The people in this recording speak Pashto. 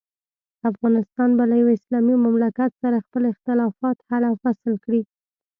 افغانستان به له یوه اسلامي مملکت سره خپل اختلافات حل او فصل کړي.